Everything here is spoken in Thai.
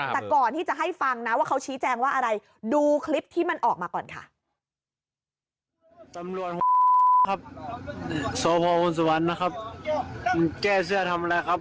แต่ก่อนที่จะให้ฟังนะว่าเขาชี้แจงว่าอะไรดูคลิปที่มันออกมาก่อนค่ะ